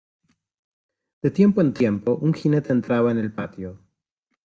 de tiempo en tiempo un jinete entraba en el patio: